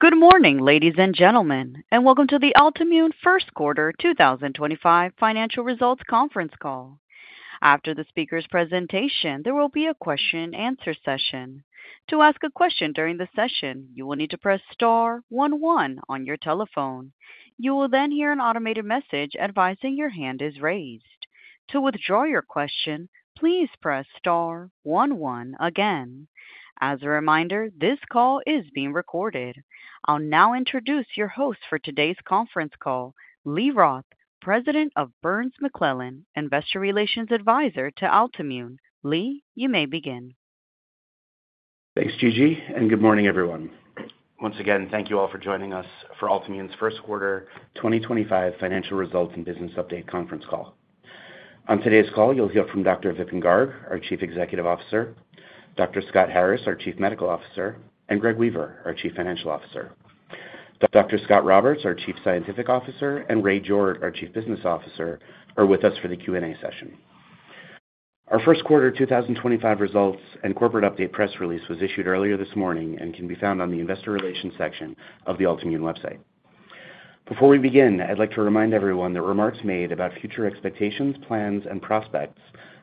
Good morning, ladies and gentlemen, and welcome to the Altimmune First Quarter 2025 Financial Results Conference Call. After the speaker's presentation, there will be a question-and-answer session. To ask a question during the session, you will need to press star 11 on your telephone. You will then hear an automated message advising your hand is raised. To withdraw your question, please press star 11 again. As a reminder, this call is being recorded. I'll now introduce your host for today's conference call, Lee Roth, President of Burns McClellan Investor Relations Advisor to Altimmune. Lee, you may begin. Thanks, Gigi, and good morning, everyone. Once again, thank you all for joining us for Altimmune's First Quarter 2025 Financial Results and Business Update Conference Call. On today's call, you'll hear from Dr. Vipin Garg, our Chief Executive Officer; Dr. Scott Harris, our Chief Medical Officer; and Greg Weaver, our Chief Financial Officer. Dr. Scott Roberts, our Chief Scientific Officer, and Ray Jordt, our Chief Business Officer, are with us for the Q&A session. Our First Quarter 2025 results and corporate update press release was issued earlier this morning and can be found on the Investor Relations section of the Altimmune website. Before we begin, I'd like to remind everyone that remarks made about future expectations, plans, and prospects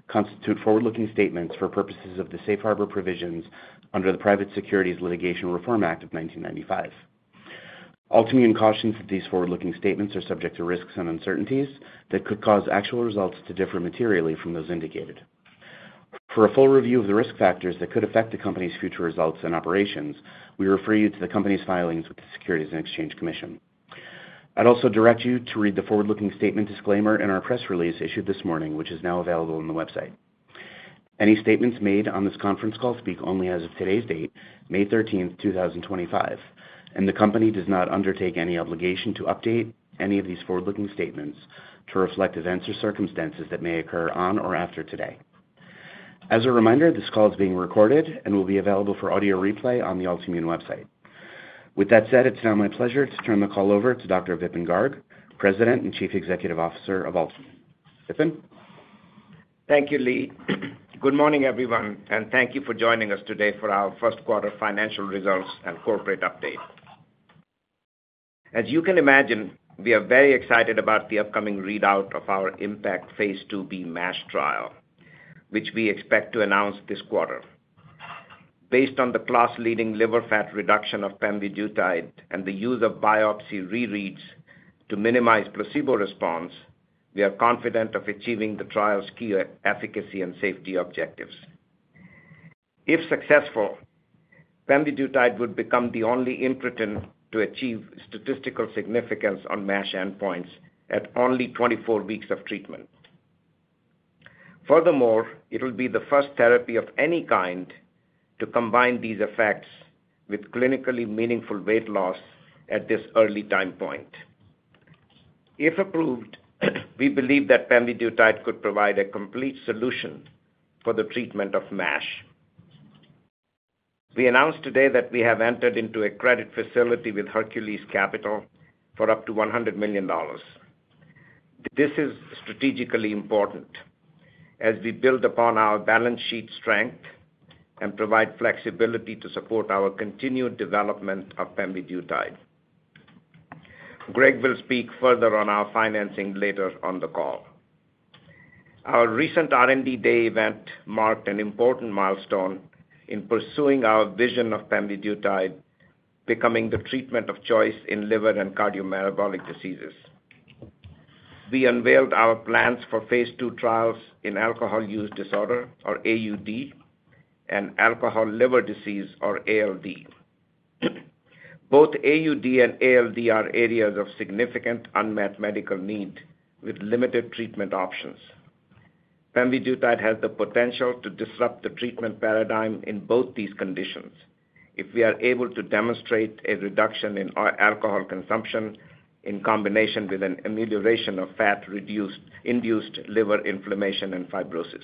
constitute forward-looking statements for purposes of the Safe Harbor Provisions under the Private Securities Litigation Reform Act of 1995. Altimmune cautions that these forward-looking statements are subject to risks and uncertainties that could cause actual results to differ materially from those indicated. For a full review of the risk factors that could affect the company's future results and operations, we refer you to the company's filings with the Securities and Exchange Commission. I'd also direct you to read the forward-looking statement disclaimer in our press release issued this morning, which is now available on the website. Any statements made on this conference call speak only as of today's date, May 13th, 2025, and the company does not undertake any obligation to update any of these forward-looking statements to reflect events or circumstances that may occur on or after today. As a reminder, this call is being recorded and will be available for audio replay on the Altimmune website. With that said, it's now my pleasure to turn the call over to Dr. Vipin Garg, President and Chief Executive Officer of Altimmune. Vipin? Thank you, Lee. Good morning, everyone, and thank you for joining us today for our first quarter financial results and corporate update. As you can imagine, we are very excited about the upcoming readout of our IMPACT phase 2b MASH trial, which we expect to announce this quarter. Based on the class-leading liver fat reduction of pemvidutide and the use of biopsy rereads to minimize placebo response, we are confident of achieving the trial's key efficacy and safety objectives. If successful, pemvidutide would become the only entrant to achieve statistical significance on MASH endpoints at only 24 weeks of treatment. Furthermore, it will be the first therapy of any kind to combine these effects with clinically meaningful weight loss at this early time point. If approved, we believe that pemvidutide could provide a complete solution for the treatment of MASH. We announced today that we have entered into a credit facility with Hercules Capital for up to $100 million. This is strategically important as we build upon our balance sheet strength and provide flexibility to support our continued development of pemvidutide. Greg will speak further on our financing later on the call. Our recent R&D Day event marked an important milestone in pursuing our vision of pemvidutide becoming the treatment of choice in liver and cardiometabolic diseases. We unveiled our plans for phase 2 trials in alcohol use disorder, or AUD, and alcohol liver disease, or ALD. Both AUD and ALD are areas of significant unmet medical need with limited treatment options. Pemvidutide has the potential to disrupt the treatment paradigm in both these conditions if we are able to demonstrate a reduction in alcohol consumption in combination with an amelioration of fat-induced liver inflammation and fibrosis.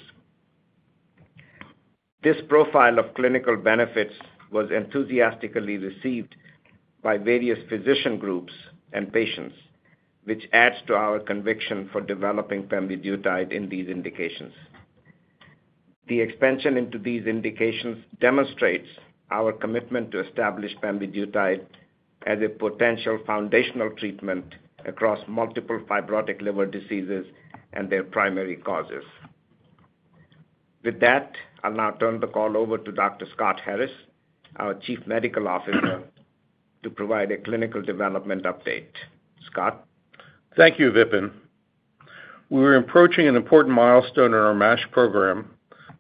This profile of clinical benefits was enthusiastically received by various physician groups and patients, which adds to our conviction for developing pemvidutide in these indications. The expansion into these indications demonstrates our commitment to establish pemvidutide as a potential foundational treatment across multiple fibrotic liver diseases and their primary causes. With that, I'll now turn the call over to Dr. Scott Harris, our Chief Medical Officer, to provide a clinical development update. Scott. Thank you, Vipin. We're approaching an important milestone in our MASH program,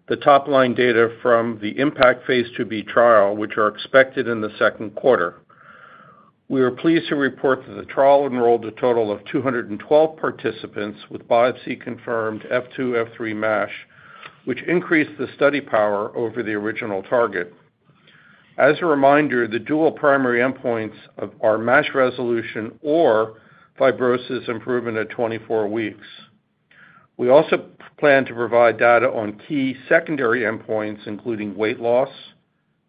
the top-line data from the IMPACT phase 2b trial, which are expected in the second quarter. We are pleased to report that the trial enrolled a total of 212 participants with biopsy-confirmed F2/F3 MASH, which increased the study power over the original target. As a reminder, the dual primary endpoints are MASH resolution or fibrosis improvement at 24 weeks. We also plan to provide data on key secondary endpoints, including weight loss,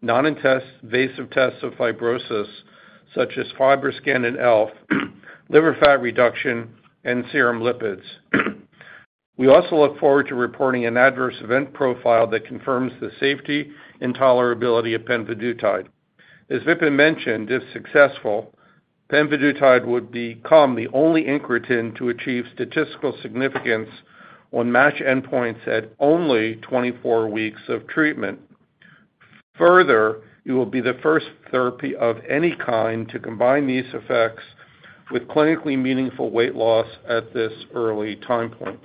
non-invasive tests of fibrosis such as FibroScan and ELF, liver fat reduction, and serum lipids. We also look forward to reporting an adverse event profile that confirms the safety and tolerability of pemvidutide. As Vipin mentioned, if successful, pemvidutide would become the only agent to achieve statistical significance on MASH endpoints at only 24 weeks of treatment. Further, it will be the first therapy of any kind to combine these effects with clinically meaningful weight loss at this early time point.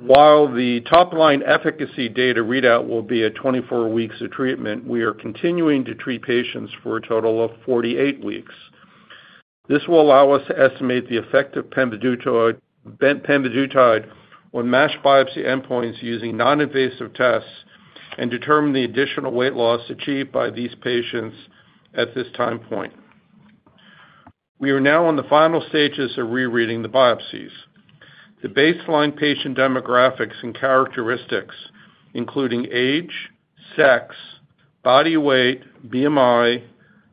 While the top-line efficacy data readout will be at 24 weeks of treatment, we are continuing to treat patients for a total of 48 weeks. This will allow us to estimate the effect of pemvidutide on MASH biopsy endpoints using non-invasive tests and determine the additional weight loss achieved by these patients at this time point. We are now in the final stages of rereading the biopsies. The baseline patient demographics and characteristics, including age, sex, body weight, BMI,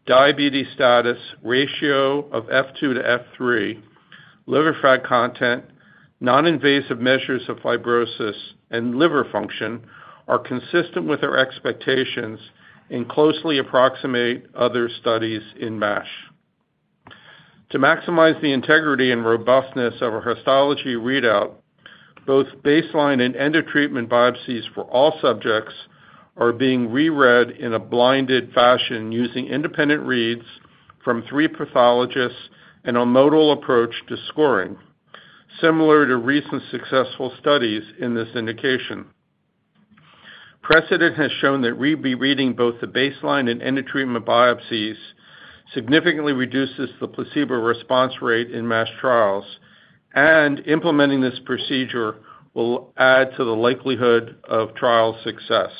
diabetes status, ratio of F2 to F3, liver fat content, non-invasive measures of fibrosis, and liver function, are consistent with our expectations and closely approximate other studies in MASH. To maximize the integrity and robustness of our histology readout, both baseline and end-of-treatment biopsies for all subjects are being reread in a blinded fashion using independent reads from three pathologists and a modal approach to scoring, similar to recent successful studies in this indication. Precedent has shown that rereading both the baseline and end-of-treatment biopsies significantly reduces the placebo response rate in MASH trials, and implementing this procedure will add to the likelihood of trial success.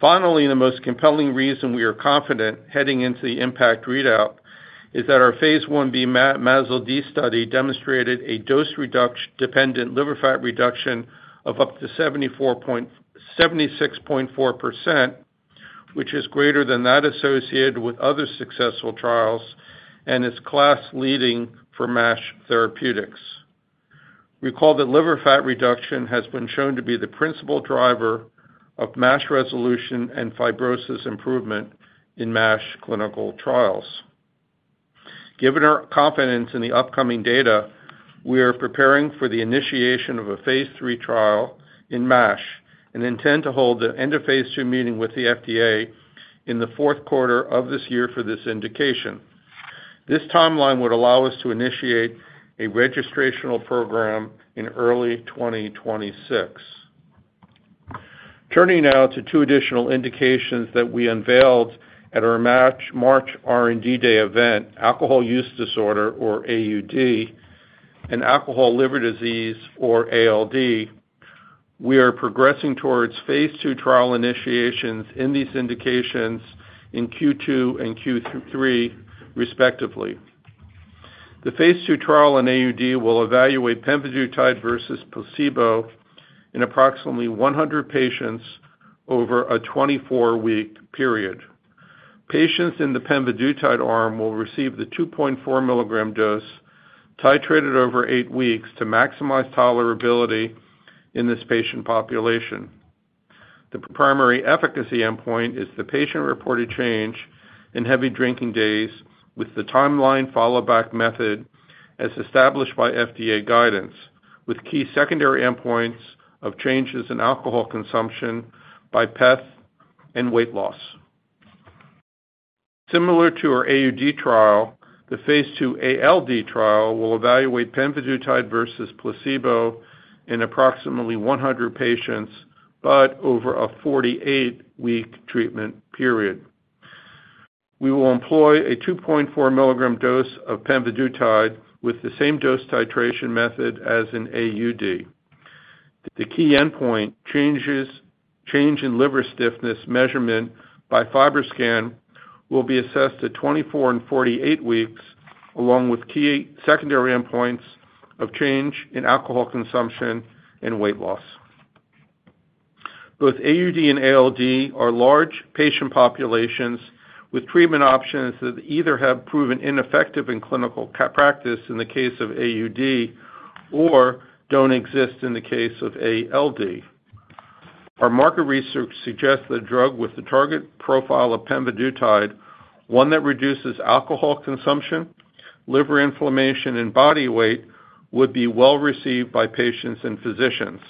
Finally, the most compelling reason we are confident heading into the IMPACT readout is that our phase 1B MASLD study demonstrated a dose-dependent liver fat reduction of up to 76.4%, which is greater than that associated with other successful trials and is class-leading for MASH therapeutics. Recall that liver fat reduction has been shown to be the principal driver of MASH resolution and fibrosis improvement in MASH clinical trials. Given our confidence in the upcoming data, we are preparing for the initiation of a phase 3 trial in MASH and intend to hold the end-of-phase 2 meeting with the FDA in the fourth quarter of this year for this indication. This timeline would allow us to initiate a registration program in early 2026. Turning now to two additional indications that we unveiled at our March R&D Day event, Alcohol Use Disorder, or AUD, and Alcohol Liver Disease, or ALD, we are progressing towards phase 2 trial initiations in these indications in Q2 and Q3, respectively. The phase 2 trial in AUD will evaluate pemvidutide versus placebo in approximately 100 patients over a 24-week period. Patients in the pemvidutide arm will receive the 2.4 mg dose titrated over eight weeks to maximize tolerability in this patient population. The primary efficacy endpoint is the patient-reported change in heavy drinking days with the timeline follow-up method as established by FDA guidance, with key secondary endpoints of changes in alcohol consumption, biopsy, and weight loss. Similar to our AUD trial, the phase 2 ALD trial will evaluate pemvidutide versus placebo in approximately 100 patients, but over a 48-week treatment period. We will employ a 2.4 mg dose of pemvidutide with the same dose titration method as in AUD. The key endpoint, change in liver stiffness measurement by FibroScan, will be assessed at 24 and 48 weeks, along with key secondary endpoints of change in alcohol consumption and weight loss. Both AUD and ALD are large patient populations with treatment options that either have proven ineffective in clinical practice in the case of AUD or do not exist in the case of ALD. Our market research suggests that a drug with the target profile of pemvidutide, one that reduces alcohol consumption, liver inflammation, and body weight, would be well received by patients and physicians.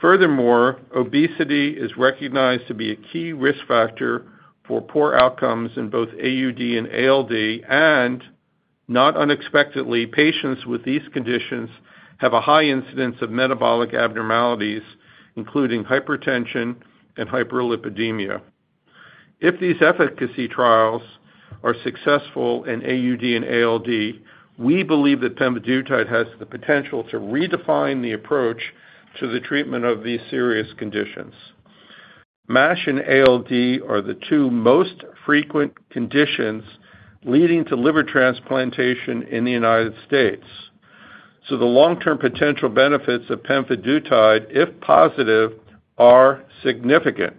Furthermore, obesity is recognized to be a key risk factor for poor outcomes in both AUD and ALD, and not unexpectedly, patients with these conditions have a high incidence of metabolic abnormalities, including hypertension and hyperlipidemia. If these efficacy trials are successful in AUD and ALD, we believe that pemvidutide has the potential to redefine the approach to the treatment of these serious conditions. MASH and ALD are the two most frequent conditions leading to liver transplantation in the United States, so the long-term potential benefits of pemvidutide, if positive, are significant.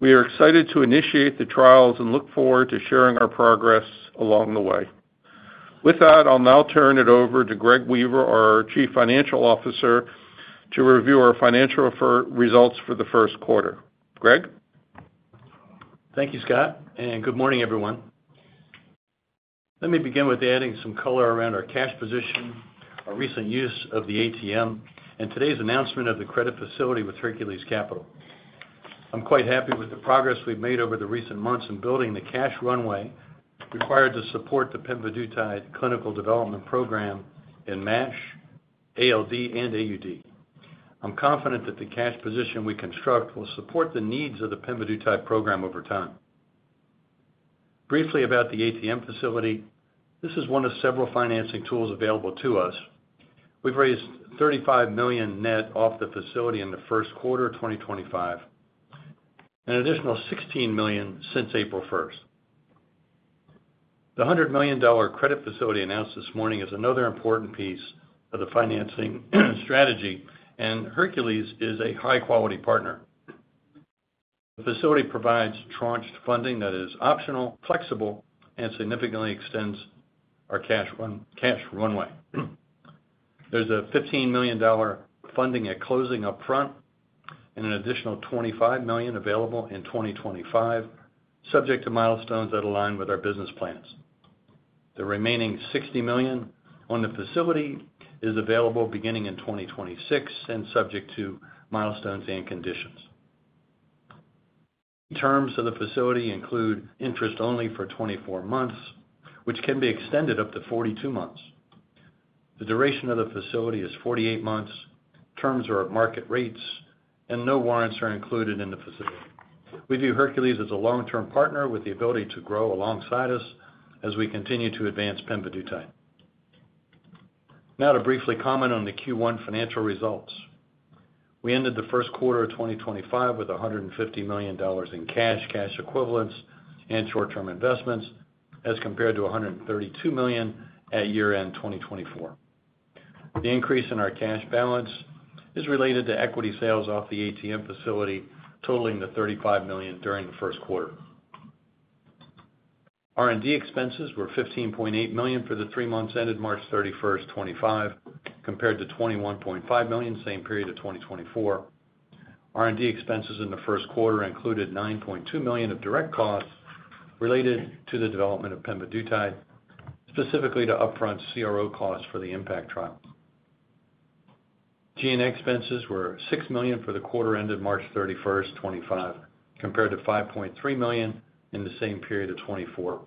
We are excited to initiate the trials and look forward to sharing our progress along the way. With that, I'll now turn it over to Greg Weaver, our Chief Financial Officer, to review our financial results for the first quarter. Greg? Thank you, Scott, and good morning, everyone. Let me begin with adding some color around our cash position, our recent use of the ATM, and today's announcement of the credit facility with Hercules Capital. I'm quite happy with the progress we've made over the recent months in building the cash runway required to support the pemvidutide clinical development program in MASH, ALD, and AUD. I'm confident that the cash position we construct will support the needs of the pemvidutide program over time. Briefly about the ATM facility, this is one of several financing tools available to us. We've raised $35 million net off the facility in the first quarter of 2025, an additional $16 million since April 1. The $100 million credit facility announced this morning is another important piece of the financing strategy, and Hercules is a high-quality partner. The facility provides tranched funding that is optional, flexible, and significantly extends our cash runway. There's a $15 million funding at closing upfront and an additional $25 million available in 2025, subject to milestones that align with our business plans. The remaining $60 million on the facility is available beginning in 2026 and subject to milestones and conditions. Terms of the facility include interest only for 24 months, which can be extended up to 42 months. The duration of the facility is 48 months. Terms are at market rates, and no warrants are included in the facility. We view Hercules as a long-term partner with the ability to grow alongside us as we continue to advance pemvidutide. Now, to briefly comment on the Q1 financial results. We ended the first quarter of 2025 with $150 million in cash, cash equivalents, and short-term investments as compared to $132 million at year-end 2024. The increase in our cash balance is related to equity sales off the ATM facility totaling the $35 million during the first quarter. R&D expenses were $15.8 million for the three months ended March 31, 2025, compared to $21.5 million same period of 2024. R&D expenses in the first quarter included $9.2 million of direct costs related to the development of pemvidutide, specifically to upfront CRO costs for the IMPACT trial. G&A expenses were $6 million for the quarter ended March 31, 2025, compared to $5.3 million in the same period of 2024.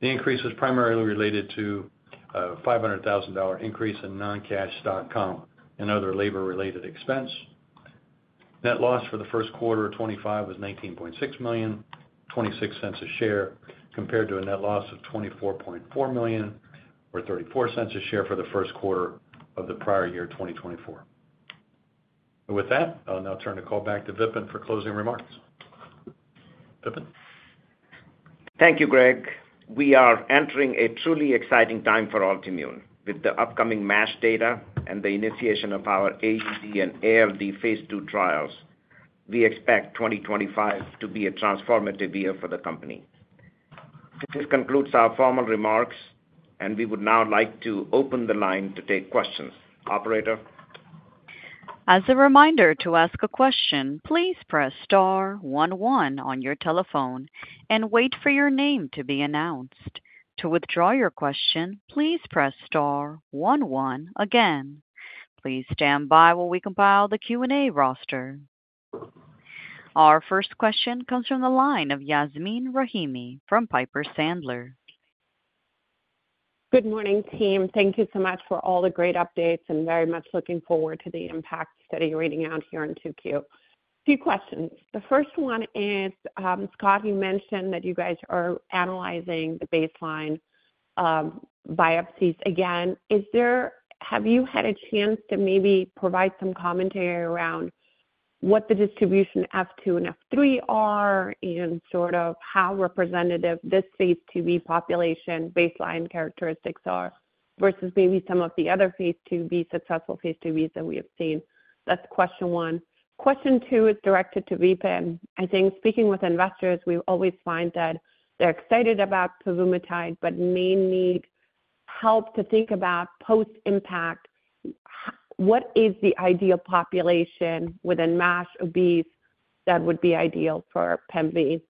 The increase was primarily related to a $500,000 increase in non-cash stock comp and other labor-related expense. Net loss for the first quarter of 2025 was $19.6 million, $0.26 a share, compared to a net loss of $24.4 million or $0.34 a share for the first quarter of the prior year, 2024. With that, I'll now turn the call back to Vipin for closing remarks. Vipin? Thank you, Greg. We are entering a truly exciting time for Altimmune. With the upcoming MASH data and the initiation of our AUD and ALD phase 2 trials, we expect 2025 to be a transformative year for the company. This concludes our formal remarks, and we would now like to open the line to take questions. Operator. As a reminder to ask a question, please press star 11 on your telephone and wait for your name to be announced. To withdraw your question, please press star 11 again. Please stand by while we compile the Q&A roster. Our first question comes from the line of Yasmeen Rahimi from Piper Sandler. Good morning, team. Thank you so much for all the great updates and very much looking forward to the IMPACT study reading out here in Tokyo. A few questions. The first one is, Scott, you mentioned that you guys are analyzing the baseline biopsies. Again, have you had a chance to maybe provide some commentary around what the distribution F2 and F3 are and sort of how representative this phase 2b population baseline characteristics are versus maybe some of the other successful phase 2bs that we have seen? That's question one. Question two is directed to Vipin. I think speaking with investors, we always find that they're excited about pemvidutide, but may need help to think about post-IMPACT. What is the ideal population within MASH obese that would be ideal for pemvi?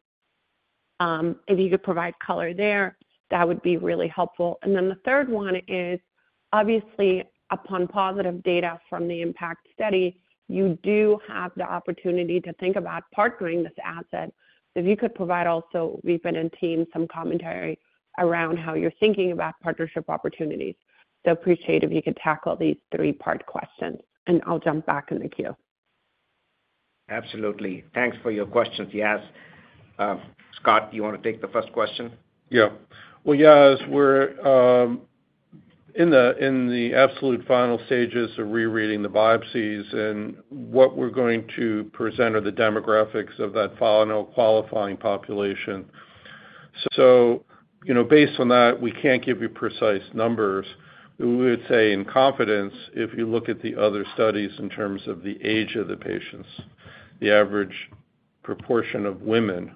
If you could provide color there, that would be really helpful. The third one is, obviously, upon positive data from the Impact study, you do have the opportunity to think about partnering this asset. If you could provide also, Vipin and team, some commentary around how you're thinking about partnership opportunities. Appreciate if you could tackle these three-part questions, and I'll jump back in the queue. Absolutely. Thanks for your questions, Yas. Scott, do you want to take the first question? Yeah. Yas, we're in the absolute final stages of rereading the biopsies, and what we're going to present are the demographics of that final qualifying population. Based on that, we can't give you precise numbers. We would say, in confidence, if you look at the other studies in terms of the age of the patients, the average proportion of women,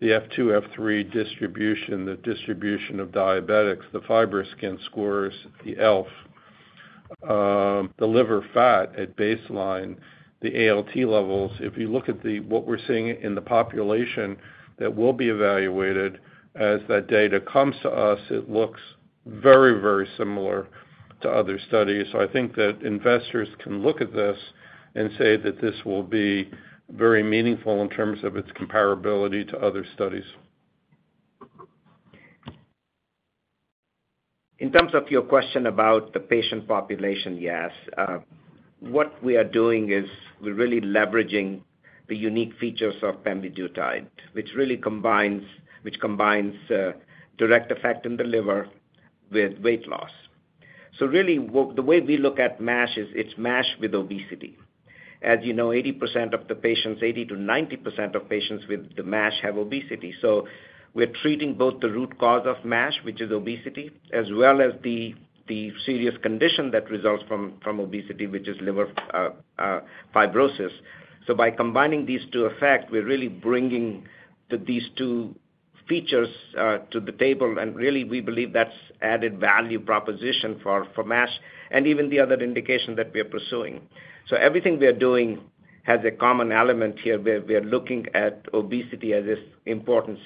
the F2, F3 distribution, the distribution of diabetics, the FibroScan scores, the ELF, the liver fat at baseline, the ALT levels. If you look at what we're seeing in the population that will be evaluated as that data comes to us, it looks very, very similar to other studies. I think that investors can look at this and say that this will be very meaningful in terms of its comparability to other studies. In terms of your question about the patient population, Yas, what we are doing is we're really leveraging the unique features of pemvidutide, which combines direct effect in the liver with weight loss. Really, the way we look at MASH is it's MASH with obesity. As you know, 80% to 90% of patients with MASH have obesity. We're treating both the root cause of MASH, which is obesity, as well as the serious condition that results from obesity, which is liver fibrosis. By combining these two effects, we're really bringing these two features to the table, and really, we believe that's added value proposition for MASH and even the other indication that we are pursuing. Everything we are doing has a common element here where we are looking at obesity as this important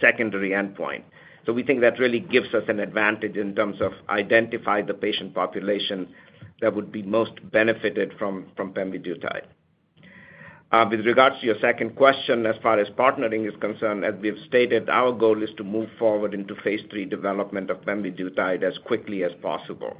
secondary endpoint. We think that really gives us an advantage in terms of identifying the patient population that would be most benefited from pemvidutide. With regards to your second question, as far as partnering is concerned, as we have stated, our goal is to move forward into phase 3 development of pemvidutide as quickly as possible.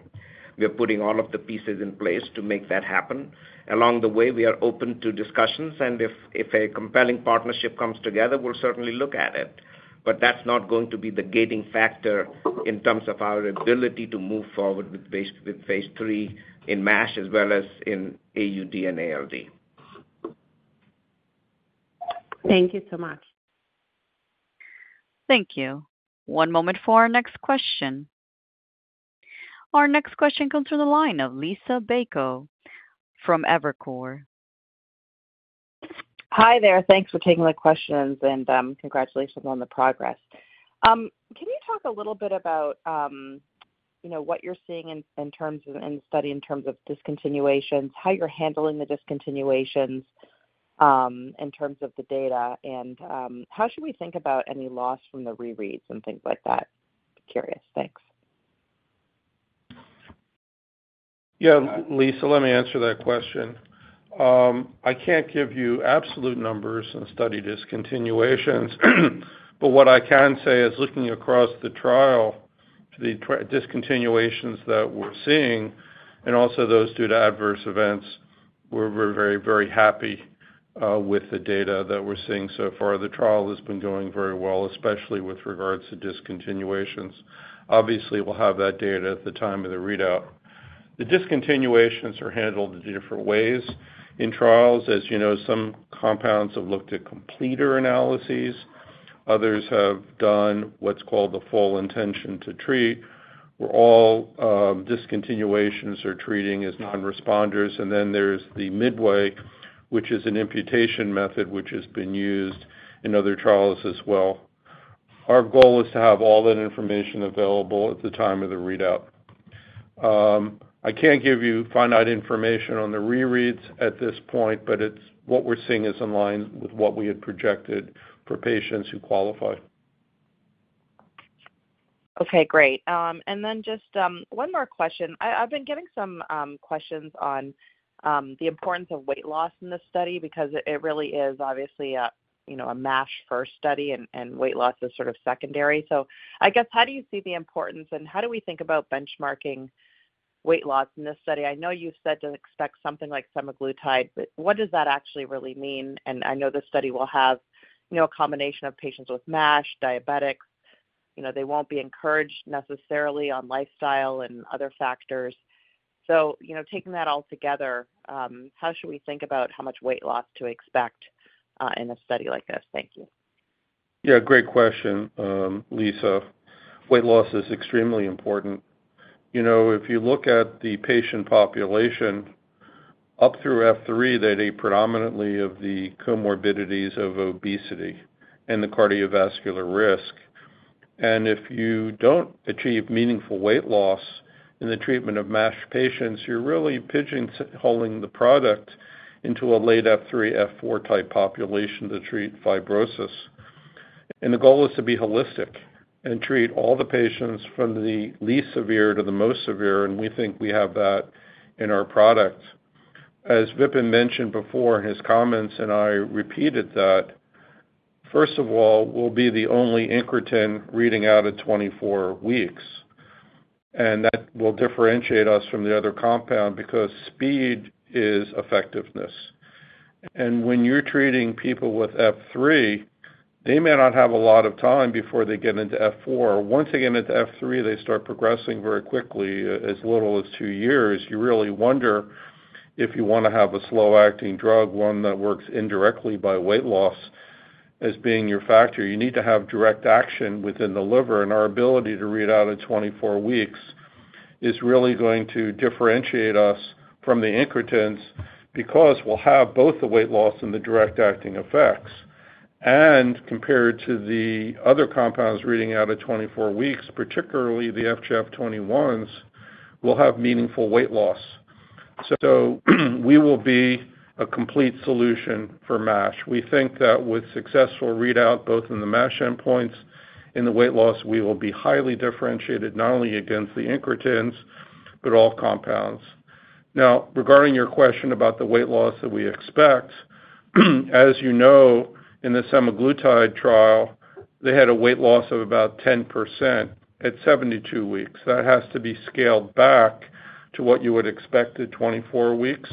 We are putting all of the pieces in place to make that happen. Along the way, we are open to discussions, and if a compelling partnership comes together, we'll certainly look at it. That is not going to be the gating factor in terms of our ability to move forward with phase 3 in MASH as well as in AUD and ALD. Thank you so much. Thank you. One moment for our next question. Our next question comes from the line of Liisa Bayko from Evercore. Hi there. Thanks for taking the questions, and congratulations on the progress. Can you talk a little bit about what you're seeing in the study in terms of discontinuations, how you're handling the discontinuations in terms of the data, and how should we think about any loss from the rereads and things like that? Curious. Thanks. Yeah. Liisa, let me answer that question. I can't give you absolute numbers on study discontinuations, but what I can say is looking across the trial, the discontinuations that we're seeing, and also those due to adverse events, we're very, very happy with the data that we're seeing so far. The trial has been going very well, especially with regards to discontinuations. Obviously, we'll have that data at the time of the readout. The discontinuations are handled in different ways in trials. As you know, some compounds have looked at completer analyses. Others have done what's called the full intention to treat. Where all discontinuations are treated as non-responders. And then there's the midway, which is an imputation method, which has been used in other trials as well. Our goal is to have all that information available at the time of the readout. I can't give you finite information on the rereads at this point, but what we're seeing is in line with what we had projected for patients who qualify. Okay. Great. And then just one more question. I've been getting some questions on the importance of weight loss in this study because it really is obviously a MASH-first study, and weight loss is sort of secondary. I guess, how do you see the importance, and how do we think about benchmarking weight loss in this study? I know you said to expect something like semaglutide, but what does that actually really mean? I know this study will have a combination of patients with MASH, diabetics. They won't be encouraged necessarily on lifestyle and other factors. Taking that all together, how should we think about how much weight loss to expect in a study like this? Thank you. Yeah. Great question, Liisa. Weight loss is extremely important. If you look at the patient population up through F3, that are predominantly of the comorbidities of obesity and the cardiovascular risk. If you do not achieve meaningful weight loss in the treatment of MASH patients, you are really pigeonholing the product into a late F3, F4-type population to treat fibrosis. The goal is to be holistic and treat all the patients from the least severe to the most severe, and we think we have that in our product. As Vipin mentioned before in his comments, and I repeated that, first of all, we will be the only Incretin reading out at 24 weeks. That will differentiate us from the other compound because speed is effectiveness. When you are treating people with F3, they may not have a lot of time before they get into F4. Once they get into F3, they start progressing very quickly, as little as two years. You really wonder if you want to have a slow-acting drug, one that works indirectly by weight loss as being your factor. You need to have direct action within the liver. Our ability to read out at 24 weeks is really going to differentiate us from the Incretins because we'll have both the weight loss and the direct-acting effects. Compared to the other compounds reading out at 24 weeks, particularly the FGF21s, we'll have meaningful weight loss. We will be a complete solution for MASH. We think that with successful readout both in the MASH endpoints and the weight loss, we will be highly differentiated not only against the Incretins, but all compounds. Now, regarding your question about the weight loss that we expect, as you know, in the semaglutide trial, they had a weight loss of about 10% at 72 weeks. That has to be scaled back to what you would expect at 24 weeks,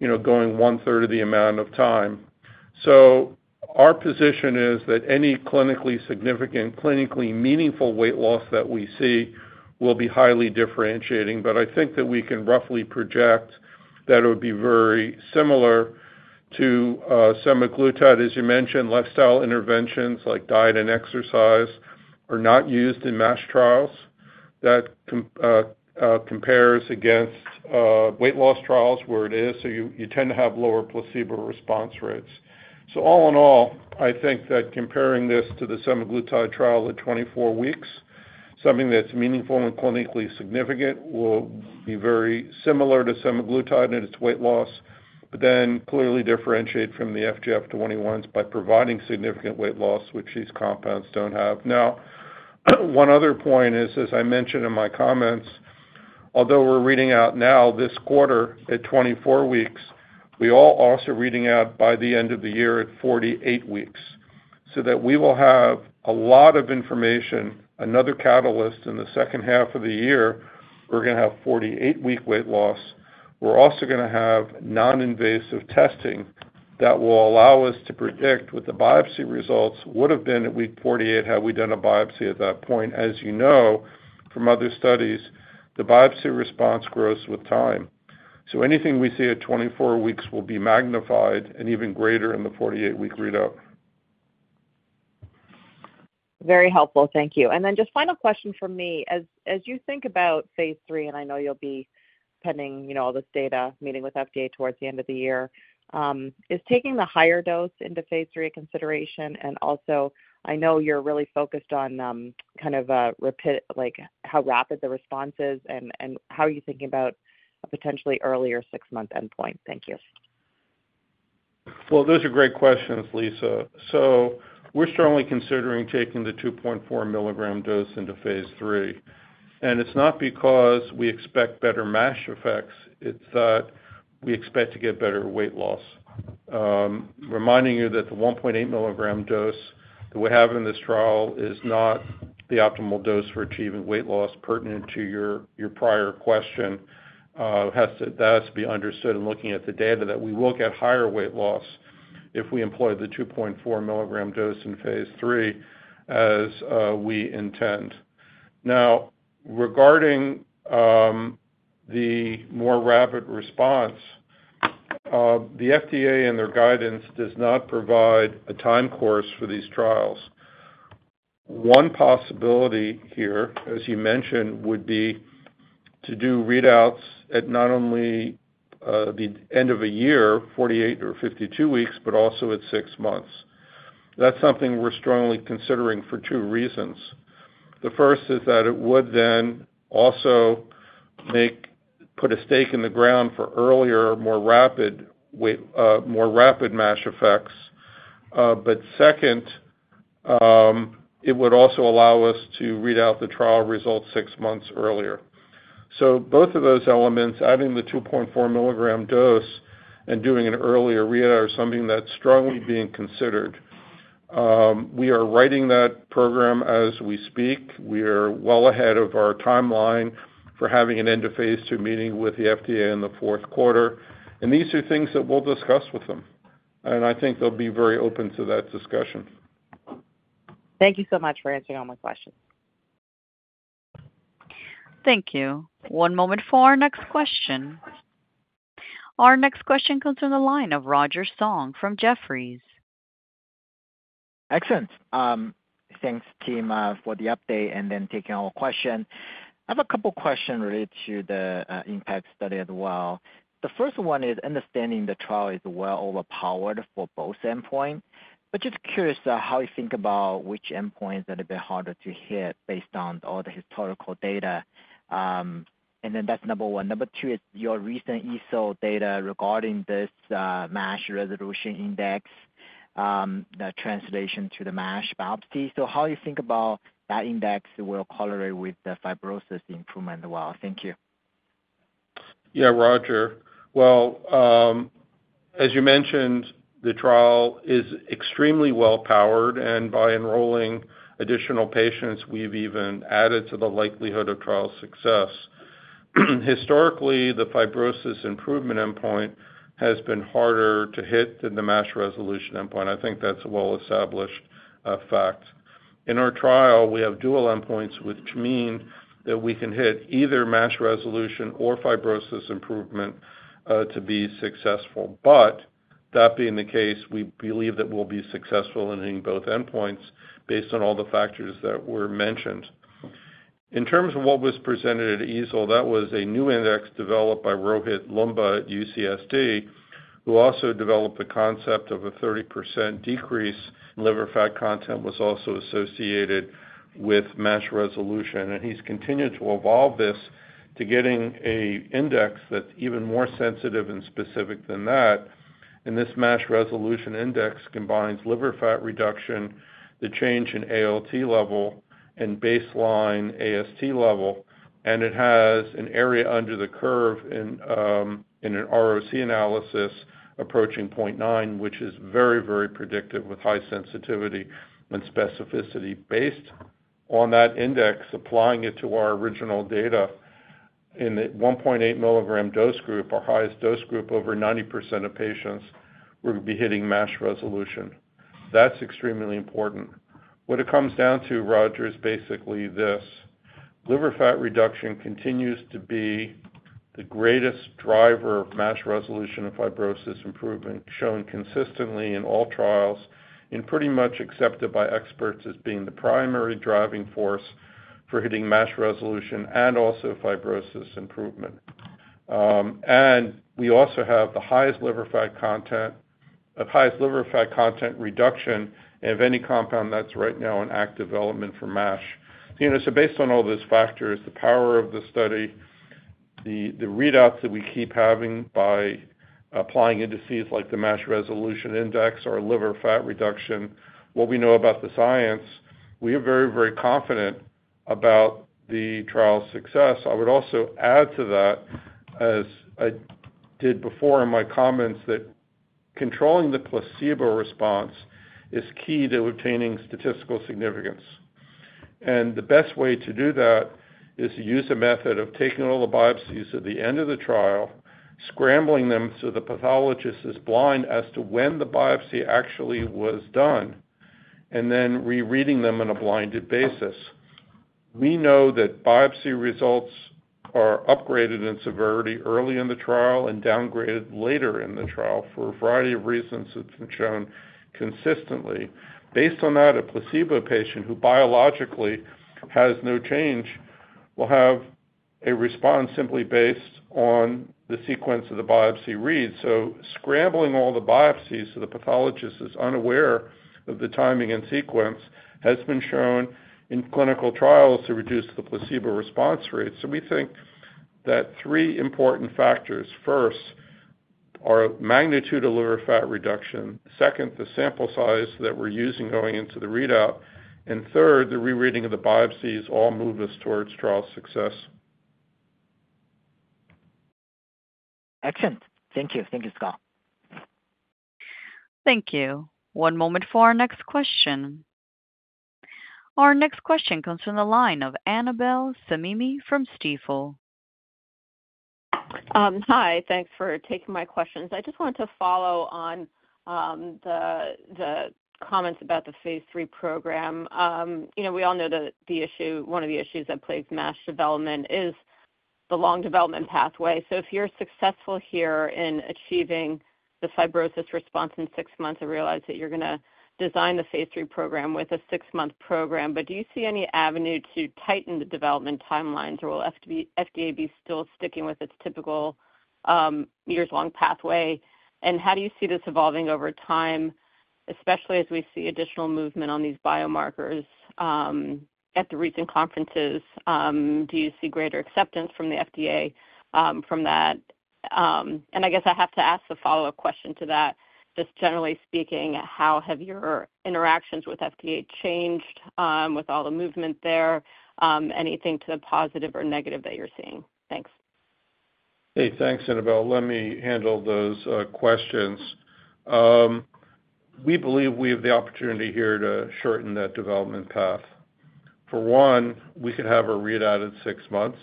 going one-third of the amount of time. Our position is that any clinically significant, clinically meaningful weight loss that we see will be highly differentiating. I think that we can roughly project that it would be very similar to semaglutide. As you mentioned, lifestyle interventions like diet and exercise are not used in MASH trials. That compares against weight loss trials where it is, so you tend to have lower placebo response rates. All in all, I think that comparing this to the semaglutide trial at 24 weeks, something that's meaningful and clinically significant, will be very similar to semaglutide and its weight loss, but then clearly differentiate from the FGF21s by providing significant weight loss, which these compounds don't have. One other point is, as I mentioned in my comments, although we're reading out now this quarter at 24 weeks, we also are reading out by the end of the year at 48 weeks. That way we will have a lot of information, another catalyst in the second half of the year, we're going to have 48-week weight loss. We're also going to have non-invasive testing that will allow us to predict what the biopsy results would have been at week 48 had we done a biopsy at that point. As you know from other studies, the biopsy response grows with time. So anything we see at 24 weeks will be magnified and even greater in the 48-week readout. Very helpful. Thank you. Just final question from me. As you think about phase 3, and I know you'll be pending all this data, meeting with FDA towards the end of the year, is taking the higher dose into phase 3 a consideration? Also, I know you're really focused on kind of how rapid the response is and how are you thinking about a potentially earlier six-month endpoint? Thank you. Those are great questions, Liisa. We're strongly considering taking the 2.4 mg dose into phase 3. It's not because we expect better MASH effects. It's that we expect to get better weight loss. Reminding you that the 1.8 mg dose that we have in this trial is not the optimal dose for achieving weight loss pertinent to your prior question. That has to be understood in looking at the data that we will get higher weight loss if we employ the 2.4 mg dose in phase 3 as we intend. Now, regarding the more rapid response, the FDA and their guidance does not provide a time course for these trials. One possibility here, as you mentioned, would be to do readouts at not only the end of a year, 48 or 52 weeks, but also at six months. That's something we're strongly considering for two reasons. The first is that it would then also put a stake in the ground for earlier, more rapid MASH effects. Second, it would also allow us to read out the trial results six months earlier. Both of those elements, adding the 2.4-milligram dose and doing an earlier readout, are something that's strongly being considered. We are writing that program as we speak. We are well ahead of our timeline for having an end of phase 2 meeting with the FDA in the fourth quarter. These are things that we'll discuss with them. I think they'll be very open to that discussion. Thank you so much for answering all my questions. Thank you. One moment for our next question. Our next question comes from the line of Roger Song from Jefferies. Excellent. Thanks, team, for the update and then taking all questions. I have a couple of questions related to the IMPACT study as well. The first one is understanding the trial is well overpowered for both endpoints. Just curious how you think about which endpoints are a bit harder to hit based on all the historical data. That is number one. Number two is your recent EASL data regarding this MASH resolution index, the translation to the MASH biopsy. How do you think about how that index will correlate with the fibrosis improvement as well? Thank you. Yeah, Roger. As you mentioned, the trial is extremely well-powered. By enrolling additional patients, we've even added to the likelihood of trial success. Historically, the fibrosis improvement endpoint has been harder to hit than the MASH resolution endpoint. I think that's a well-established fact. In our trial, we have dual endpoints, which mean that we can hit either MASH resolution or fibrosis improvement to be successful. That being the case, we believe that we'll be successful in hitting both endpoints based on all the factors that were mentioned. In terms of what was presented at ESO, that was a new index developed by Rohit Loomba at UCSD, who also developed the concept of a 30% decrease. Liver fat content was also associated with MASH resolution. He's continued to evolve this to getting an index that's even more sensitive and specific than that. This MASH resolution index combines liver fat reduction, the change in ALT level, and baseline AST level. It has an area under the curve in an ROC analysis approaching 0.9, which is very, very predictive with high sensitivity and specificity. Based on that index, applying it to our original data in the 1.8 mg dose group, our highest dose group, over 90% of patients will be hitting MASH resolution. That is extremely important. What it comes down to, Roger, is basically this. Liver fat reduction continues to be the greatest driver of MASH resolution and fibrosis improvement, shown consistently in all trials, and pretty much accepted by experts as being the primary driving force for hitting MASH resolution and also fibrosis improvement. We also have the highest liver fat content reduction of any compound that is right now in active development for MASH. Based on all those factors, the power of the study, the readouts that we keep having by applying indices like the MASH resolution index or liver fat reduction, what we know about the science, we are very, very confident about the trial's success. I would also add to that, as I did before in my comments, that controlling the placebo response is key to obtaining statistical significance. The best way to do that is to use a method of taking all the biopsies at the end of the trial, scrambling them so the pathologist is blind as to when the biopsy actually was done, and then rereading them on a blinded basis. We know that biopsy results are upgraded in severity early in the trial and downgraded later in the trial for a variety of reasons that have been shown consistently. Based on that, a placebo patient who biologically has no change will have a response simply based on the sequence of the biopsy read. Scrambling all the biopsies so the pathologist is unaware of the timing and sequence has been shown in clinical trials to reduce the placebo response rate. We think that three important factors. First, our magnitude of liver fat reduction. Second, the sample size that we're using going into the readout. Third, the rereading of the biopsies all move us towards trial success. Excellent. Thank you. Thank you, Scott. Thank you. One moment for our next question. Our next question comes from the line of Annabel Samimy from Stifel. Hi. Thanks for taking my questions. I just wanted to follow on the comments about the phase 3 program. We all know that one of the issues that plagues MASH development is the long development pathway. If you're successful here in achieving the fibrosis response in six months, I realize that you're going to design the phase 3 program with a six-month program. Do you see any avenue to tighten the development timelines or will FDA be still sticking with its typical years-long pathway? How do you see this evolving over time, especially as we see additional movement on these biomarkers at the recent conferences? Do you see greater acceptance from the FDA from that? I guess I have to ask the follow-up question to that. Just generally speaking, how have your interactions with FDA changed with all the movement there? Anything to the positive or negative that you're seeing? Thanks. Hey, thanks, Annabel. Let me handle those questions. We believe we have the opportunity here to shorten that development path. For one, we could have a readout at six months.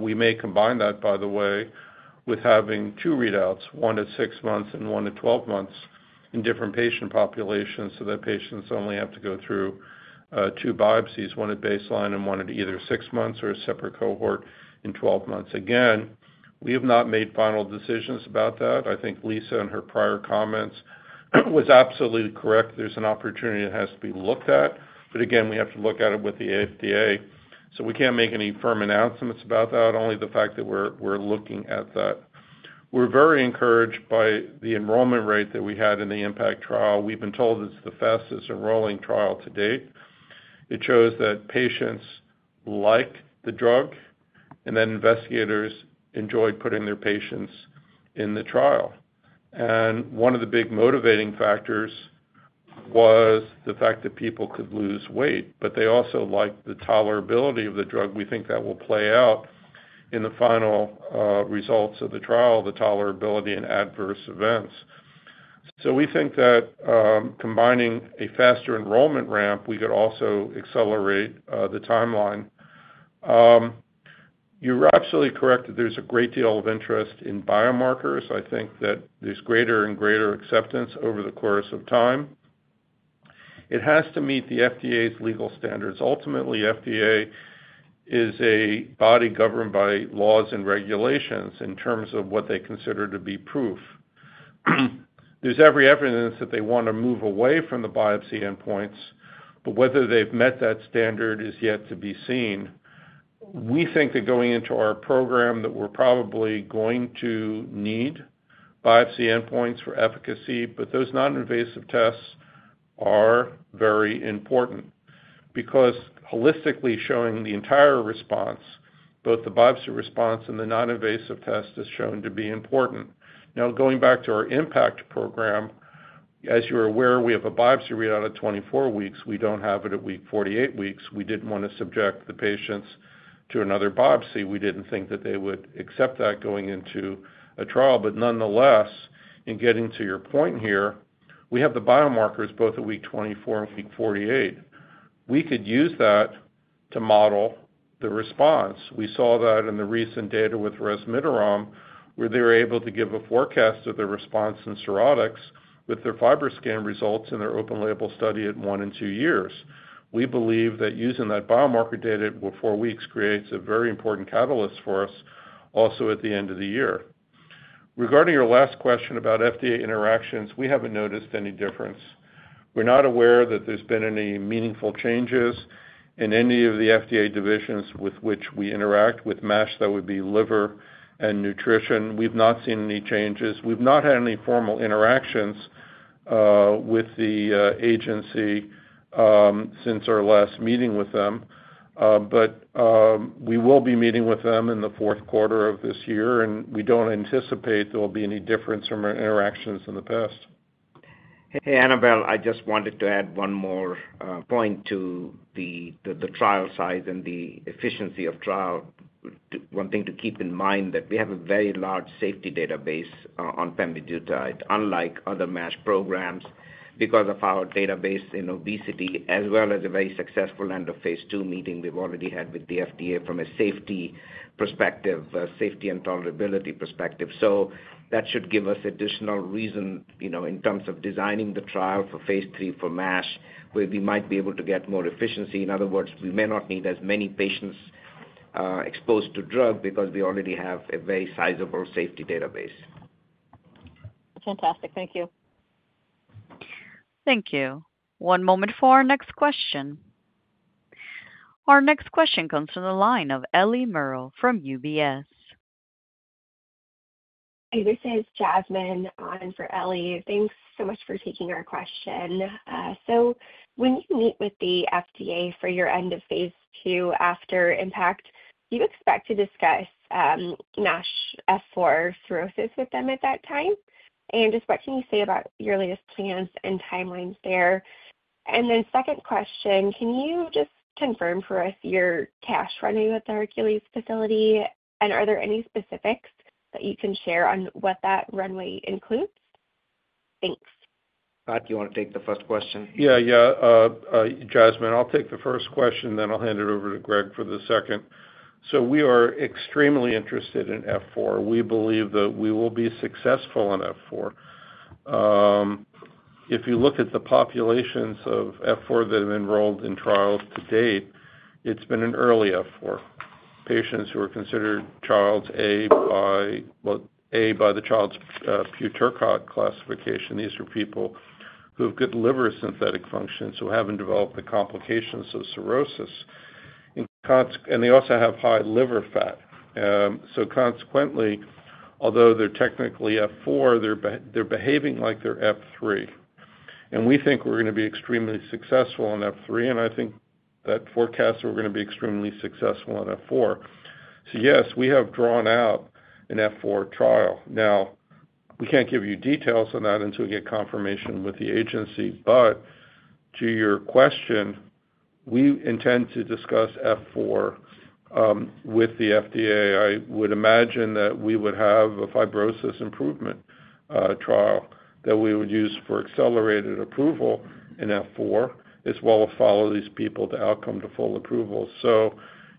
We may combine that, by the way, with having two readouts, one at six months and one at 12 months in different patient populations so that patients only have to go through two biopsies, one at baseline and one at either six months or a separate cohort in 12 months. Again, we have not made final decisions about that. I think Liisa in her prior comments was absolutely correct. There is an opportunity that has to be looked at. Again, we have to look at it with the FDA. We cannot make any firm announcements about that, only the fact that we are looking at that. We are very encouraged by the enrollment rate that we had in the IMPACT trial. We've been told it's the fastest enrolling trial to date. It shows that patients like the drug, and investigators enjoy putting their patients in the trial. One of the big motivating factors was the fact that people could lose weight. They also liked the tolerability of the drug. We think that will play out in the final results of the trial, the tolerability and adverse events. We think that combining a faster enrollment ramp, we could also accelerate the timeline. You're absolutely correct that there's a great deal of interest in biomarkers. I think that there's greater and greater acceptance over the course of time. It has to meet the FDA's legal standards. Ultimately, the FDA is a body governed by laws and regulations in terms of what they consider to be proof. There's every evidence that they want to move away from the biopsy endpoints, but whether they've met that standard is yet to be seen. We think that going into our program that we're probably going to need biopsy endpoints for efficacy, but those non-invasive tests are very important because holistically showing the entire response, both the biopsy response and the non-invasive test, has shown to be important. Now, going back to our IMPACT program, as you're aware, we have a biopsy readout at 24 weeks. We don't have it at week 48. We didn't want to subject the patients to another biopsy. We didn't think that they would accept that going into a trial. Nonetheless, in getting to your point here, we have the biomarkers both at week 24 and week 48. We could use that to model the response. We saw that in the recent data with resmetirom, where they were able to give a forecast of their response in cirrhotics with their FibroScan results in their open-label study at one and two years. We believe that using that biomarker data before weeks creates a very important catalyst for us also at the end of the year. Regarding your last question about FDA interactions, we have not noticed any difference. We are not aware that there has been any meaningful changes in any of the FDA divisions with which we interact with MASH that would be liver and nutrition. We have not seen any changes. We have not had any formal interactions with the agency since our last meeting with them. We will be meeting with them in the fourth quarter of this year. We do not anticipate there will be any difference from our interactions in the past. Hey, Annabel, I just wanted to add one more point to the trial size and the efficiency of trial. One thing to keep in mind is that we have a very large safety database on pemvidutide, unlike other MASH programs, because of our database in obesity, as well as a very successful end of phase 2 meeting we've already had with the FDA from a safety perspective, safety and tolerability perspective. That should give us additional reason in terms of designing the trial for phase 3 for MASH, where we might be able to get more efficiency. In other words, we may not need as many patients exposed to drug because we already have a very sizable safety database. Fantastic. Thank you. Thank you. One moment for our next question. Our next question comes from the line of Ellie Merrill from UBS. Hi, this is Jasmine on for Ellie. Thanks so much for taking our question. When you meet with the FDA for your end of phase 2 after IMPACT, do you expect to discuss MASH F4 cirrhosis with them at that time? What can you say about your latest plans and timelines there? Second question, can you just confirm for us your cash runway with the Hercules facility? Are there any specifics that you can share on what that runway includes? Thanks. Scott, do you want to take the first question? Yeah, yeah. Jasmine, I'll take the first question, then I'll hand it over to Greg for the second. We are extremely interested in F4. We believe that we will be successful in F4. If you look at the populations of F4 that have enrolled in trials to date, it's been an early F4. Patients who are considered trials A by the Child-Pugh-Turcotte classification, these are people who have good liver synthetic function, so haven't developed the complications of cirrhosis. They also have high liver fat. Consequently, although they're technically F4, they're behaving like they're F3. We think we're going to be extremely successful in F3. I think that forecasts are we're going to be extremely successful in F4. Yes, we have drawn out an F4 trial. We can't give you details on that until we get confirmation with the agency. To your question, we intend to discuss F4 with the FDA. I would imagine that we would have a fibrosis improvement trial that we would use for accelerated approval in F4 as well as follow these people to outcome to full approval.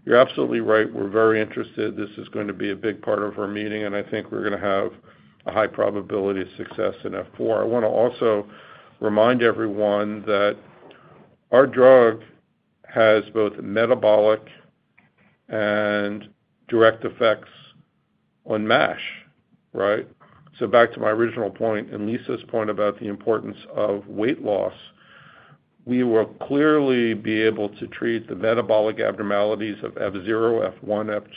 You are absolutely right. We are very interested. This is going to be a big part of our meeting. I think we are going to have a high probability of success in F4. I want to also remind everyone that our drug has both metabolic and direct effects on MASH, right? Back to my original point and Liisa's point about the importance of weight loss, we will clearly be able to treat the metabolic abnormalities of F0, F1,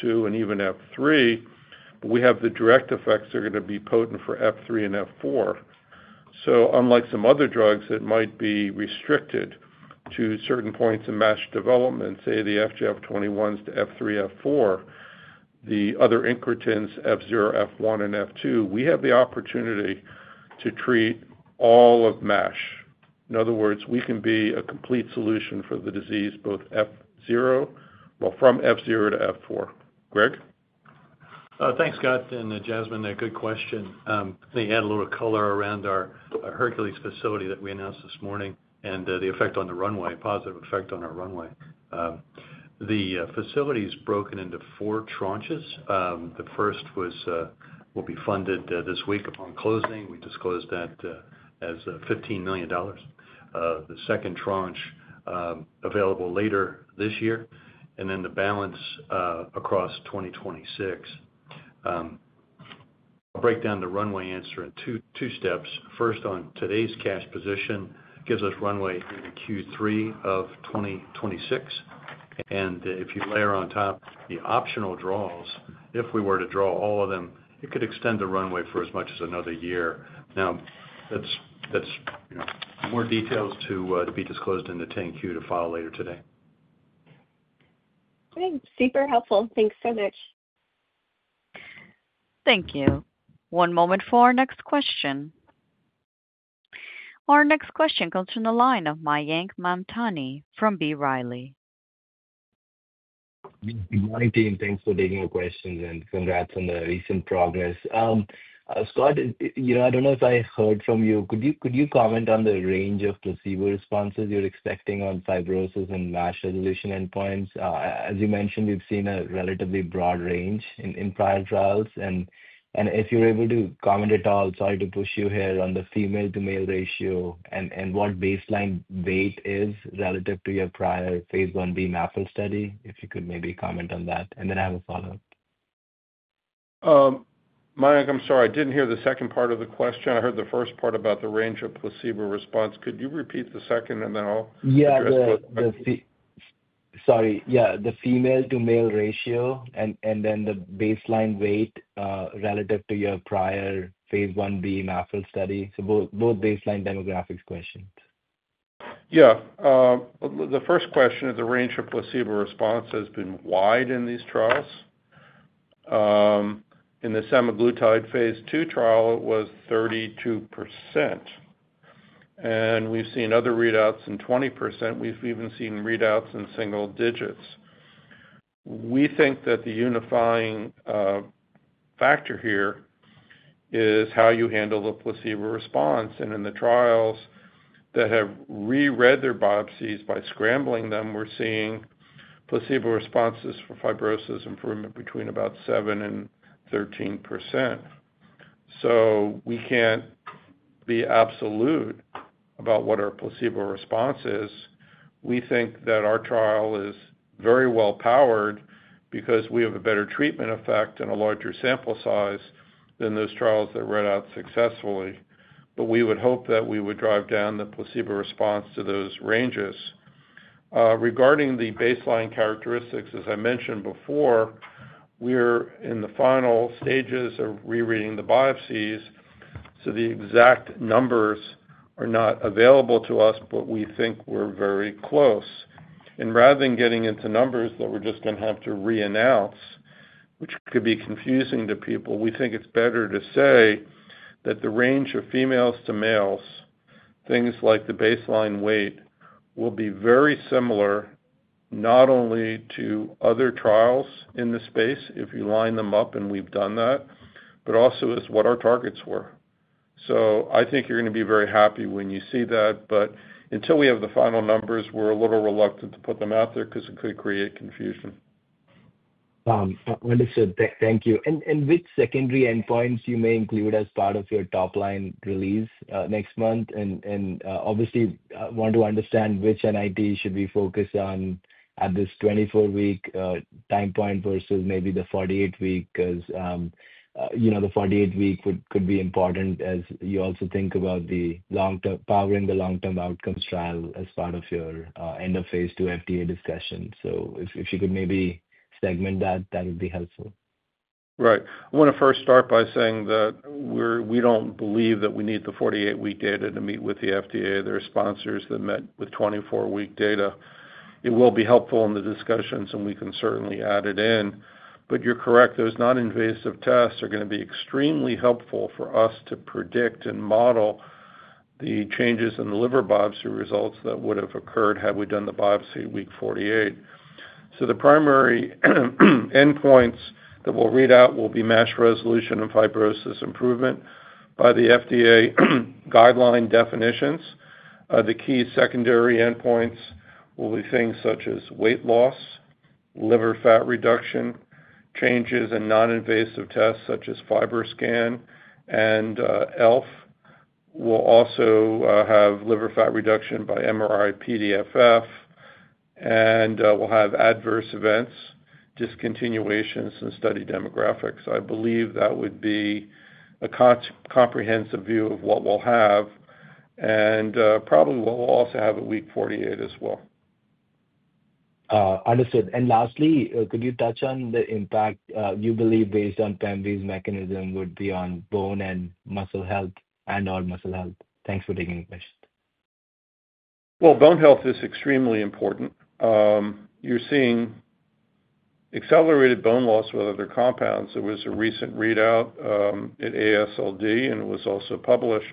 F2, and even F3, but we have the direct effects that are going to be potent for F3 and F4. Unlike some other drugs that might be restricted to certain points in MASH development, say the FGF21s to F3, F4, the other incretins, F0, F1, and F2, we have the opportunity to treat all of MASH. In other words, we can be a complete solution for the disease from F0 to F4. Greg? Thanks, Scott. Jasmine, a good question. I think it added a little color around our Hercules facility that we announced this morning and the effect on the runway, positive effect on our runway. The facility is broken into four tranches. The first will be funded this week upon closing. We disclosed that as $15 million. The second tranche is available later this year. The balance across 2026. I'll break down the runway answer in two steps. First, on today's cash position, it gives us runway Q3 of 2026. If you layer on top the optional draws, if we were to draw all of them, it could extend the runway for as much as another year. Now, that's more details to be disclosed in the 10Q to file later today. Thanks. Super helpful. Thanks so much. Thank you. One moment for our next question. Our next question comes from the line of Mayank Mamtani from B. Riley. Good morning, team. Thanks for taking the questions and congrats on the recent progress. Scott, I do not know if I heard from you. Could you comment on the range of placebo responses you are expecting on fibrosis and MASH evolution endpoints? As you mentioned, we have seen a relatively broad range in prior trials. If you are able to comment at all, sorry to push you here, on the female-to-male ratio and what baseline weight is relative to your prior phase 1B MAPL study, if you could maybe comment on that. I have a follow-up. Mayank, I'm sorry. I didn't hear the second part of the question. I heard the first part about the range of placebo response. Could you repeat the second, and then I'll address both? Yeah. Sorry. Yeah. The female-to-male ratio and then the baseline weight relative to your prior phase 1b MAPL study. So both baseline demographics questions. Yeah. The first question, the range of placebo response has been wide in these trials. In the semaglutide phase 2 trial, it was 32%. And we've seen other readouts in 20%. We've even seen readouts in single digits. We think that the unifying factor here is how you handle the placebo response. In the trials that have reread their biopsies by scrambling them, we're seeing placebo responses for fibrosis improvement between about 7-13%. So we can't be absolute about what our placebo response is. We think that our trial is very well-powered because we have a better treatment effect and a larger sample size than those trials that read out successfully. We would hope that we would drive down the placebo response to those ranges. Regarding the baseline characteristics, as I mentioned before, we're in the final stages of rereading the biopsies. The exact numbers are not available to us, but we think we're very close. Rather than getting into numbers that we're just going to have to reannounce, which could be confusing to people, we think it's better to say that the range of females to males, things like the baseline weight, will be very similar not only to other trials in the space if you line them up, and we've done that, but also as what our targets were. I think you're going to be very happy when you see that. Until we have the final numbers, we're a little reluctant to put them out there because it could create confusion. Wonderful. Thank you. Which secondary endpoints you may include as part of your top line release next month? Obviously, I want to understand which NITs should we focus on at this 24-week time point versus maybe the 48-week because the 48-week could be important as you also think about powering the long-term outcomes trial as part of your end of phase 2 FDA discussion. If you could maybe segment that, that would be helpful. Right. I want to first start by saying that we do not believe that we need the 48-week data to meet with the FDA. There are sponsors that met with 24-week data. It will be helpful in the discussions, and we can certainly add it in. You are correct. Those non-invasive tests are going to be extremely helpful for us to predict and model the changes in the liver biopsy results that would have occurred had we done the biopsy week 48. The primary endpoints that will read out will be MASH resolution and fibrosis improvement by the FDA guideline definitions. The key secondary endpoints will be things such as weight loss, liver fat reduction changes, and non-invasive tests such as FibroScan and ELF. We will also have liver fat reduction by MRI PDFF. We will have adverse events, discontinuations, and study demographics. I believe that would be a comprehensive view of what we'll have. We will probably also have a week 48 as well. Understood. Lastly, could you touch on the impact you believe based on PEMV's mechanism would be on bone and muscle health and/or muscle health? Thanks for taking the question. Bone health is extremely important. You're seeing accelerated bone loss with other compounds. There was a recent readout at ASLD, and it was also published,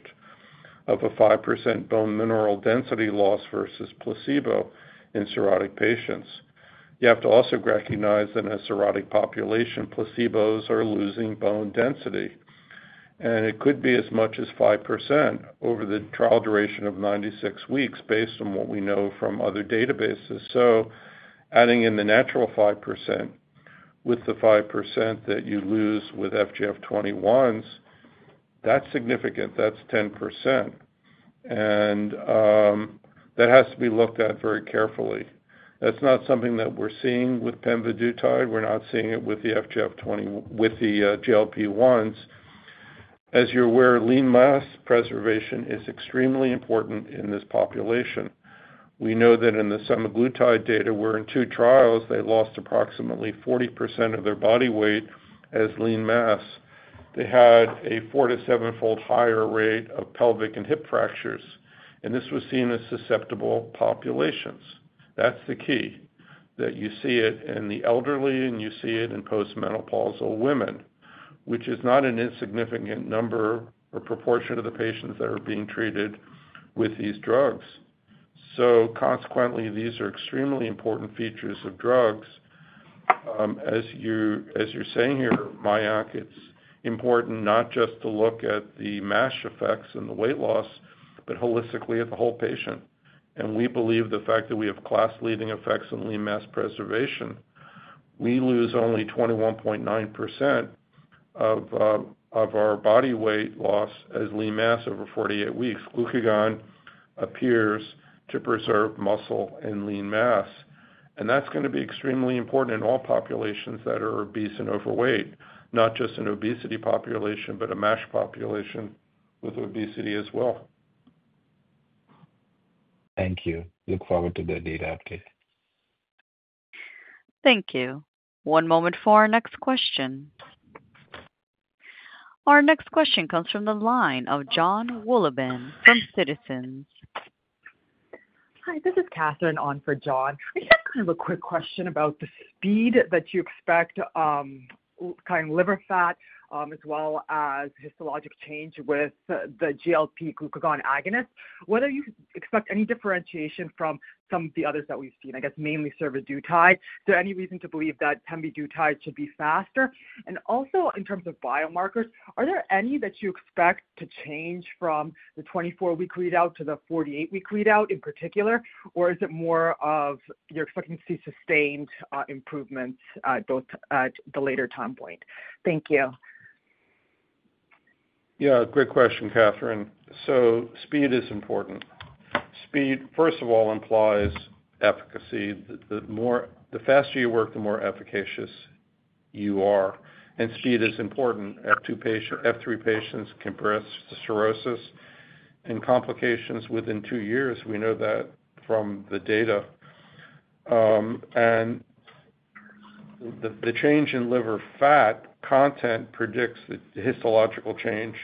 of a 5% bone mineral density loss versus placebo in cirrhotic patients. You have to also recognize that in a cirrhotic population, placebos are losing bone density. It could be as much as 5% over the trial duration of 96 weeks based on what we know from other databases. Adding in the natural 5% with the 5% that you lose with FGF21s, that's significant. That's 10%. That has to be looked at very carefully. That's not something that we're seeing with pemvidutide. We're not seeing it with the GLP-1s. As you're aware, lean mass preservation is extremely important in this population. We know that in the semaglutide data, where in two trials, they lost approximately 40% of their body weight as lean mass, they had a four- to seven-fold higher rate of pelvic and hip fractures. This was seen as susceptible populations. That's the key that you see it in the elderly, and you see it in postmenopausal women, which is not an insignificant number or proportion of the patients that are being treated with these drugs. Consequently, these are extremely important features of drugs. As you're saying here, Mayank, it's important not just to look at the MASH effects and the weight loss, but holistically at the whole patient. We believe the fact that we have class-leading effects in lean mass preservation, we lose only 21.9% of our body weight loss as lean mass over 48 weeks. Glucagon appears to preserve muscle and lean mass. That's going to be extremely important in all populations that are obese and overweight, not just an obesity population, but a MASH population with obesity as well. Thank you. Look forward to the data update. Thank you. One moment for our next question. Our next question comes from the line of Jon Wolleben from Citizens. Hi, this is Catherine on for Jon. I have kind of a quick question about the speed that you expect kind of liver fat as well as histologic change with the GLP-glucagon agonist. Whether you expect any differentiation from some of the others that we've seen, I guess, mainly survodutide. Is there any reason to believe that pemvidutide should be faster? Also, in terms of biomarkers, are there any that you expect to change from the 24-week readout to the 48-week readout in particular? Or is it more of you're expecting to see sustained improvements both at the later time point? Thank you. Yeah. Great question, Catherine. Speed is important. Speed, first of all, implies efficacy. The faster you work, the more efficacious you are. Speed is important. F3 patients can progress to cirrhosis and complications within two years. We know that from the data. The change in liver fat content predicts the histological change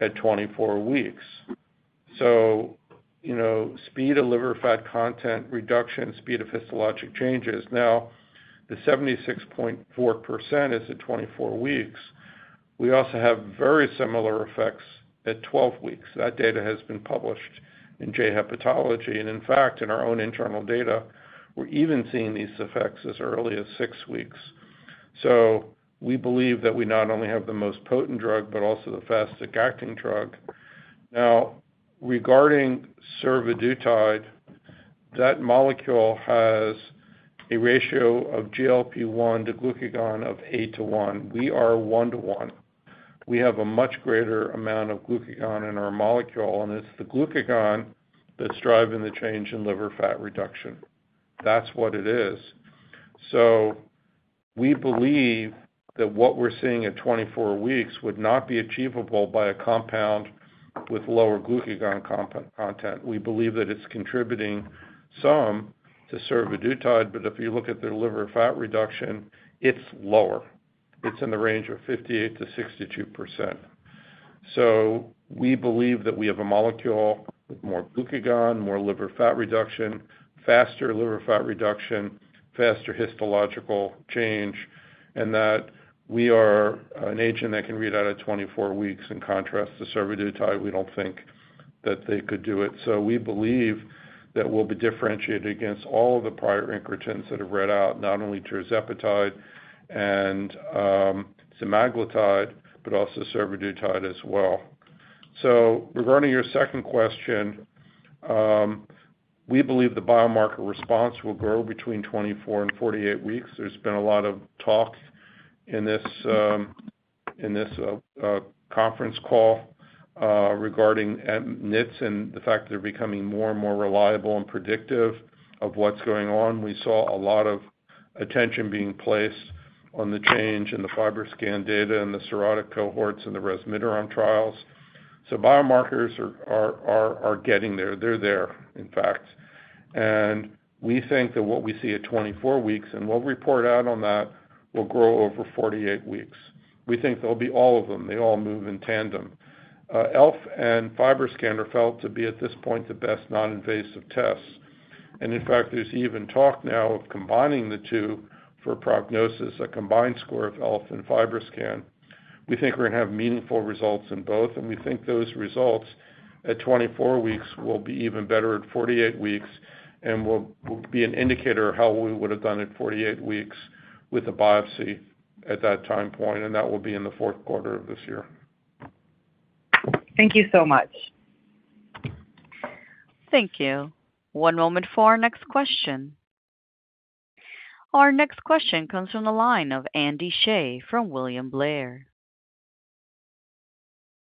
at 24 weeks. Speed of liver fat content reduction, speed of histologic changes. The 76.4% is at 24 weeks. We also have very similar effects at 12 weeks. That data has been published in J-Hepatology. In fact, in our own internal data, we're even seeing these effects as early as six weeks. We believe that we not only have the most potent drug, but also the fastest-acting drug. Now, regarding survodutide, that molecule has a ratio of GLP-1 to glucagon of 8 to 1. We are 1 to 1. We have a much greater amount of glucagon in our molecule. And it's the glucagon that's driving the change in liver fat reduction. That's what it is. We believe that what we're seeing at 24 weeks would not be achievable by a compound with lower glucagon content. We believe that it's contributing some to survodutide. If you look at their liver fat reduction, it's lower. It's in the range of 58-62%. We believe that we have a molecule with more glucagon, more liver fat reduction, faster liver fat reduction, faster histological change, and that we are an agent that can read out at 24 weeks. In contrast to survodutide, we don't think that they could do it. We believe that we'll be differentiated against all of the prior incretins that have read out, not only tirzepatide and semaglutide, but also survodutide as well. Regarding your second question, we believe the biomarker response will grow between 24 and 48 weeks. There's been a lot of talk in this conference call regarding NITs and the fact that they're becoming more and more reliable and predictive of what's going on. We saw a lot of attention being placed on the change in the FibroScan data and the cirrhotic cohorts and the resmideron trials. Biomarkers are getting there. They're there, in fact. We think that what we see at 24 weeks, and we'll report out on that, will grow over 48 weeks. We think there'll be all of them. They all move in tandem. ELF and FibroScan are felt to be, at this point, the best non-invasive tests. In fact, there's even talk now of combining the two for prognosis, a combined score of ELF and FibroScan. We think we're going to have meaningful results in both. We think those results at 24 weeks will be even better at 48 weeks. We'll be an indicator of how we would have done at 48 weeks with a biopsy at that time point. That will be in the fourth quarter of this year. Thank you so much. Thank you. One moment for our next question. Our next question comes from the line of Andy Shea from William Blair.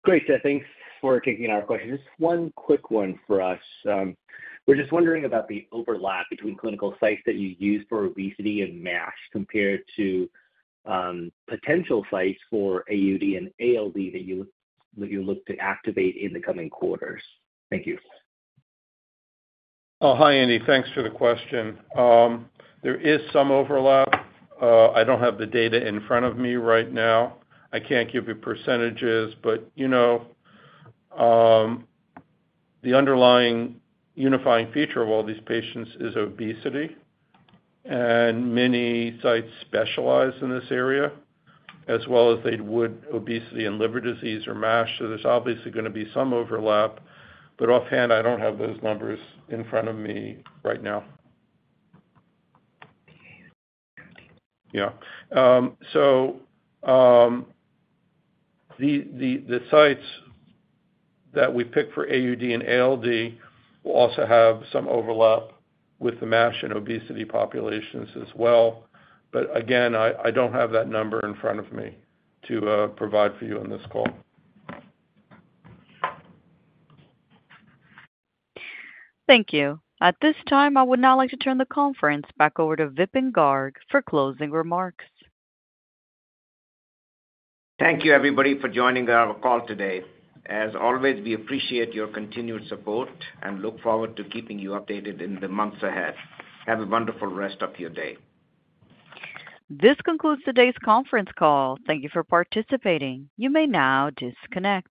Great. Thanks for taking our questions. Just one quick one for us. We're just wondering about the overlap between clinical sites that you use for obesity and MASH compared to potential sites for AUD and ALD that you look to activate in the coming quarters. Thank you. Oh, hi, Andy. Thanks for the question. There is some overlap. I do not have the data in front of me right now. I cannot give you percentages. The underlying unifying feature of all these patients is obesity. Many sites specialize in this area, as well as they would obesity and liver disease or MASH. There is obviously going to be some overlap. Offhand, I do not have those numbers in front of me right now. The sites that we pick for AUD and ALD will also have some overlap with the MASH and obesity populations as well. Again, I do not have that number in front of me to provide for you on this call. Thank you. At this time, I would now like to turn the conference back over to Vipin Garg for closing remarks. Thank you, everybody, for joining our call today. As always, we appreciate your continued support and look forward to keeping you updated in the months ahead. Have a wonderful rest of your day. This concludes today's conference call. Thank you for participating. You may now disconnect.